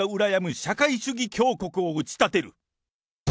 社会主義強国を打ち立てる。